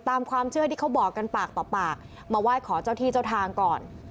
ตามความเชื่อที่เขาบอกกันปากต่อปากมาไหว้ขอเจ้าที่เจ้าทางก่อน